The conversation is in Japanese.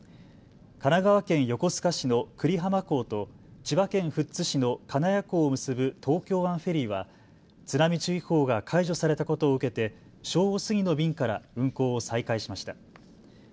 神奈川県横須賀市の久里浜港と千葉県富津市の金谷港を結ぶ東京湾フェリーは津波注意報が解除されたことを受けて正午過ぎの便から運航を再開しました。